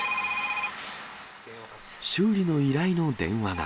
修理の依頼の電話が。